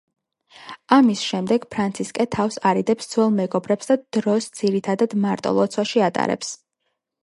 ამის შემდეგ ფრანცისკე თავს არიდებს ძველ მეგობრებს და დროს ძირითადად მარტო, ლოცვაში ატარებს.